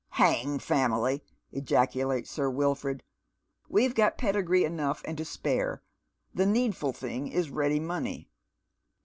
" Hang family !" ejaculates Sir Wilford. " We've got pedigree enough and to spare. The needful thing is ready money."